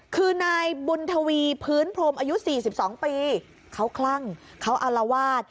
คือนายบุญทวีพื้นพรมอายุ๔๒ปีเขาคลั่งเขาอารวาส